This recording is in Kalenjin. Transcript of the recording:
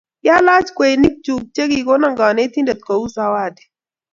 Kialach kweinik chuk che kikono kanetindet kou sawati